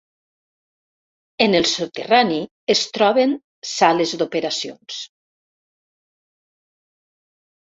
En el soterrani es troben sales d'operacions.